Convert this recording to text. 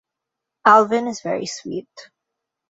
Alvyn is very sweet.